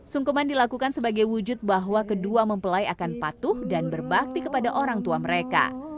sungkuman dilakukan sebagai wujud bahwa kedua mempelai akan patuh dan berbakti kepada orang tua mereka